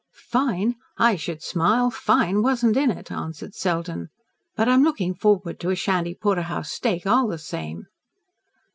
"Fine! I should smile! Fine wasn't in it," answered Selden. "But I'm looking forward to a Shandy porterhouse steak, all the same."